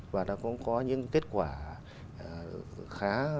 và cũng có những kết quả khá